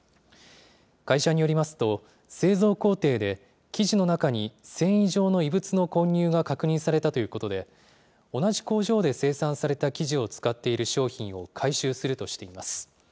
会社によりますと、製造工程で生地の中に繊維状の異物の混入が確認されたということで、同じ工場で生産された生地を使っている商品を回収するとしています。